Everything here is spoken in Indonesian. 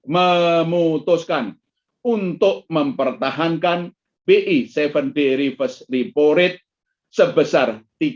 memutuskan untuk mempertahankan bi tujuh d reversal report rate sebesar tiga lima puluh